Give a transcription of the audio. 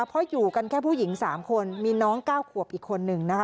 เพราะอยู่กันแค่ผู้หญิง๓คนมีน้อง๙ขวบอีกคนนึงนะคะ